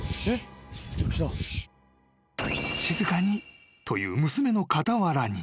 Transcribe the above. ［「静かに」という娘の傍らに］